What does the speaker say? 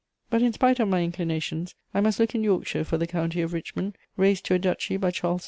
But, in spite of my inclinations, I must look in Yorkshire for the County of Richmond, raised to a duchy by Charles II.